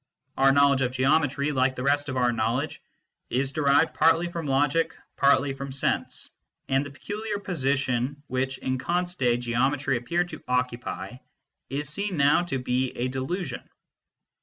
Our knowledge of geometry, like the rest of our knowledge, is derived partly from logic, partly from sense, and the peculiar position which in Kant s day geometry appeared to occupy is seen now to be a delusion.